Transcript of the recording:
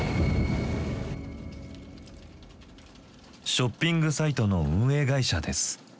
ショッピングサイトの運営会社です。